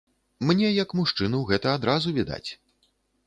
Мне як мужчыну гэта адразу відаць.